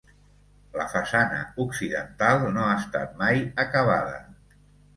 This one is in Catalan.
La façana occidental no ha estat mai acabada.